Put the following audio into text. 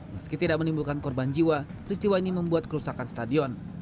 meski tidak menimbulkan korban jiwa peristiwa ini membuat kerusakan stadion